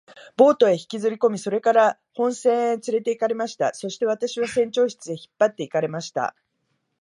ボートへ引きずりこみ、それから本船へつれて行かれました。そして私は船長室へ引っ張って行かれました。